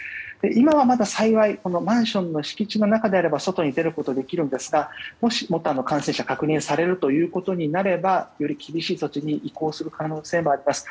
今はまだ幸いマンションの敷地の中であれば外に出ることができますがもし、更に感染者が確認されればより厳しい措置に移行する可能性もあります。